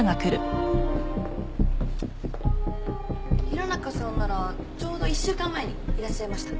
平中さんならちょうど１週間前にいらっしゃいました。